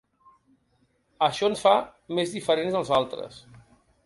Això ens fa més diferents dels altres.